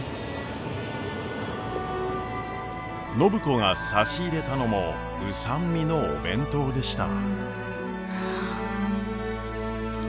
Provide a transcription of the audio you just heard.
暢子が差し入れたのも御三味のお弁当でした。